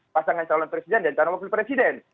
pasangan calon presiden dan calon wakil presiden